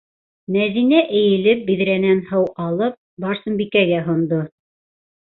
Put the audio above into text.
- Мәҙинә эйелеп биҙрәнән һыу алып, Барсынбикәгә һондо.